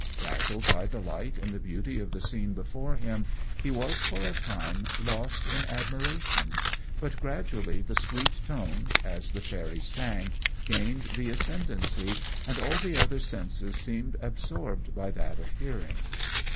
Dazzled by the light and the beauty of the scene before him, he was for a time lost in admiration; but gradually the sweet tones, as the fairies sang, gained the ascendancy, and all the other senses seemed absorbed by that of hearing.